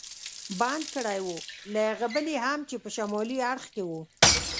بند کړی و، له هغه بل یې هم چې په شمالي اړخ کې و.